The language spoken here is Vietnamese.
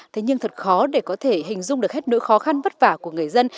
thế nhưng thật khó để có thể hình dung được hết nỗi khó khăn vất vả của người dân